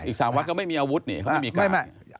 อีก๓วัดก็ไม่มีอาวุธนี่เขาไม่มีการ